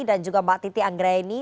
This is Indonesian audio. dan juga mbak titi anggraini